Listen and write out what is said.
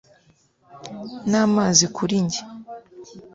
namazi kuri njye